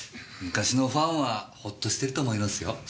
昔のファンはホッとしてると思いますよ。